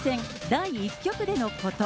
第１局でのこと。